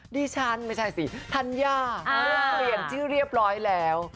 ดิฉันไม่ใช่สิธัญญาเปลี่ยนชื่อเรียบร้อยแล้ว